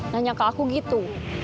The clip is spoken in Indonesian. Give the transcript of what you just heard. nanya ke aku gitu